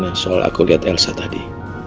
soalnya aku dateng lihat elsa tadi